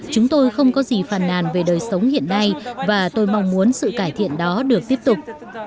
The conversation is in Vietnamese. chúng tôi không có gì phàn nàn về đời sống hiện nay và tôi mong muốn sự cải thiện đó được tiếp tục